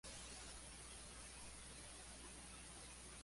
Fue Primer Ministro de Croacia.